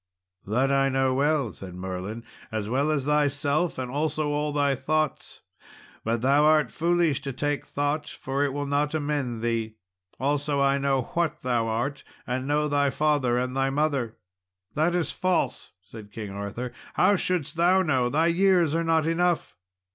"That know I well," said Merlin, "as well as thyself, and also all thy thoughts; but thou art foolish to take thought, for it will not amend thee. Also I know what thou art, and know thy father and thy mother." "That is false," said King Arthur; "how shouldst thou know? thy years are not enough."